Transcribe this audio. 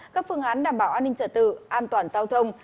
các phương án đảm bảo an ninh trật tự an toàn giao thông